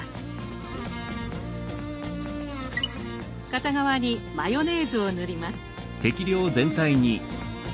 片側にマヨネーズを塗ります。